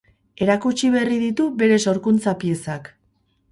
Erakutsi berri ditu bere sorkuntza-piezak.